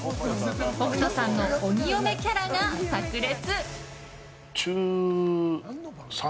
北斗さんの鬼嫁キャラが炸裂。